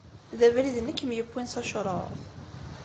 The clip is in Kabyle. D abrid-nni i kem-yewwin s acṛuf?